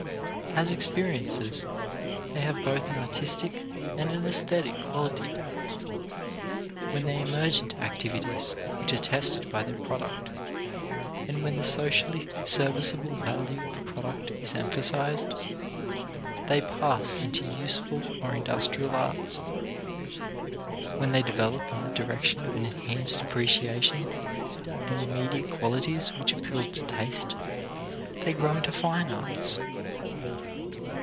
As experiences they have both an artistic and an esthetic quality. When they emerge into activities which are tested by their product and when the socially serviceable value of the product is emphasized, they pass into useful or industrial arts. When they develop in the direction of an enhanced appreciation of the immediate qualities which appeal to taste, they grow into fine arts.